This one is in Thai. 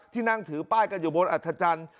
นั่งถือป้ายกันอยู่บนอัธจันทร์